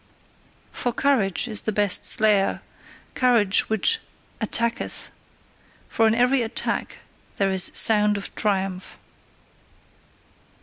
For courage is the best slayer, courage which ATTACKETH: for in every attack there is sound of triumph.